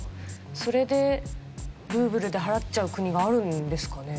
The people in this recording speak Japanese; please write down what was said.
それでルーブルで払っちゃう国があるんですかね？